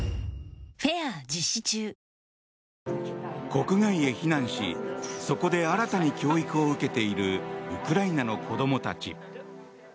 国外へ避難しそこで新たに教育を受けているウクライナの子供たち。